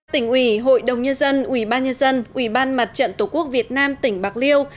tỉnh ủy hội đồng nhân dân ủy ban nhân dân ủy ban mặt trận tổ quốc việt nam tỉnh bạc liêu